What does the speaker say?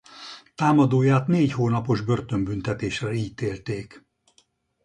Támadóját négy hónapos börtönbüntetésre ítélték.